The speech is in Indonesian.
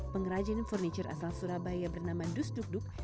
pengrajin furniture asal surabaya bernama dus duk duk